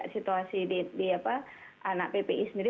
situasi di anak ppi sendiri